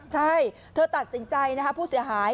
ใช่เธอตัดสินใจนะคะผู้เสียหาย